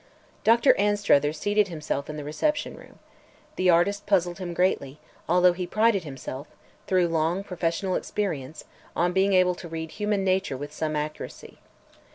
Dr. Anstruther seated himself in the reception room. The artist puzzled him greatly, although he prided himself through long professional experience on being able to read human nature with some accuracy.